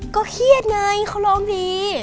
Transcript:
ก็เครียดไงเขาร้องดี